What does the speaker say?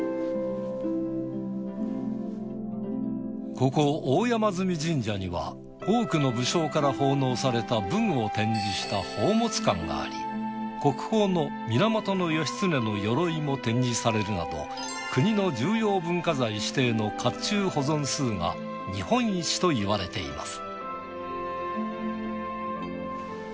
ここ大山神社には多くの武将から奉納された武具を展示した宝物館があり国宝の源義経の鎧も展示されるなど国の重要文化財指定の甲冑保存数が日本一といわれています。